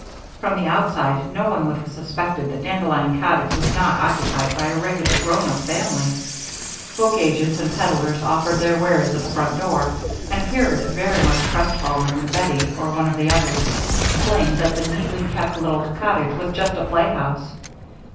From the outside, no one would have suspected that Dandelion Cottage was not occupied by a regular grown up family. Book agents and peddlers offered their wares at the front door, and appeared very much crestfallen when Bettie, or one of the others, explained that the neatly kept little cottage was just a playhouse.